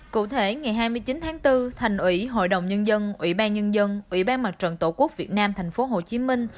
cụ thể ngày hai mươi chín tháng bốn thành ủy hội đồng nhân dân ủy ban nhân dân ủy ban mặt trận tổ quốc việt nam tp hcm